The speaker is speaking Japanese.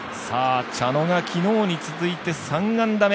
茶野が昨日に続いて３安打目。